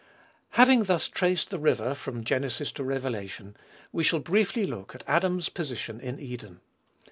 Having thus traced the river, from Genesis to Revelation, we shall briefly look at Adam's position in Eden.